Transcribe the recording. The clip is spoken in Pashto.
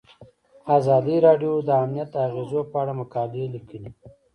ازادي راډیو د امنیت د اغیزو په اړه مقالو لیکلي.